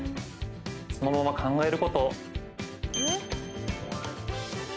そのまま考えること。